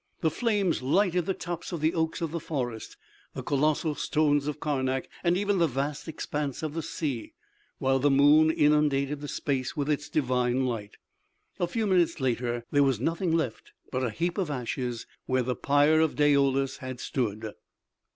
The flames lighted the tops of the oaks of the forest, the colossal stones of Karnak, and even the vast expanse of the sea, while the moon inundated the space with its divine light. A few minutes later there was nothing left but a heap of ashes where the pyre of Daoulas had stood.